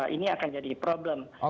ini akan jadi problem